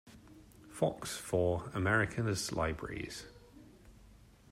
Fox for America's Libraries.